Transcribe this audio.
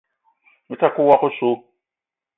Me ta ke woko oso.